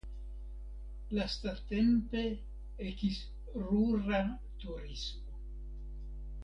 Lastatempe ekis rura turismo.